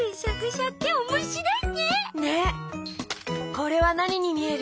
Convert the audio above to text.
これはなににみえる？